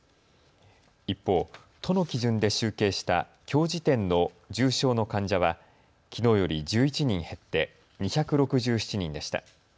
一方、都の基準で集計したきょう時点の重症の患者はきのうより１１人減って２６７人でした。